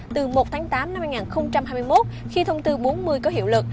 từ một tháng tám năm hai nghìn hai mươi một khi thông tư bốn mươi có hiệu lực